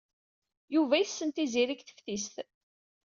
Yuba yessen Tiziri deg teftist.